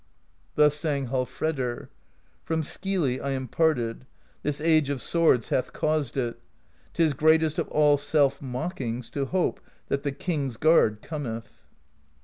Thus sang Hallfredr: From Skyli I am parted: This age of swords hath caused it. 'T is greatest of all self mockings To hope that the king's guard cometh.